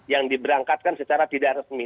yang diberangkatkan secara tidak resmi